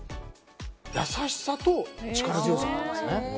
優しさと力強さがありますね。